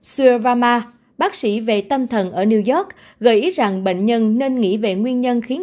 sueva bác sĩ về tâm thần ở new york gợi ý rằng bệnh nhân nên nghĩ về nguyên nhân khiến